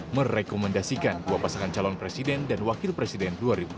merekomendasikan dua pasangan calon presiden dan wakil presiden dua ribu sembilan belas